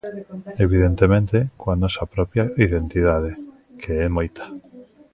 Evidentemente, coa nosa propia identidade, que é moita.